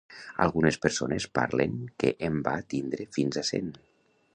Algunes persones parlen que en va tindre fins a cent.